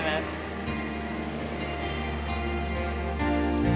mabuknya udah selesai